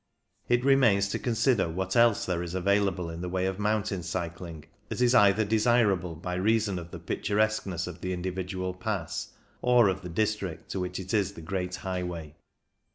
It remains to consider what else there is available in the way of mountain cycling that is either desirable by reason of the picturesqueness of the individual pass or of the district to which it is the great highway.